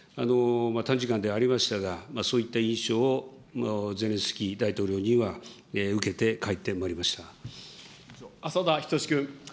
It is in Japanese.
短時間ではありましたが、そういった印象をゼレンスキー大統領には受けて帰ってまいりまし浅田均君。